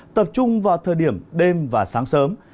tập trung vào thời điểm đêm và sáng sớm